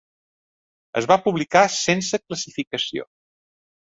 Es va publicar sense classificació.